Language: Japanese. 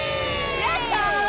やった！！